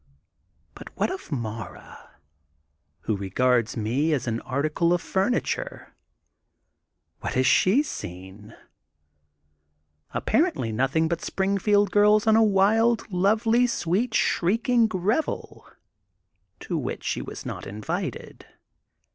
But what of Mara, who regards me as an article of furniture? What has she seen? Ap parently nothing but Springfield girls on a wild, lovely, sweet, shrieking revel to which she has not been invited.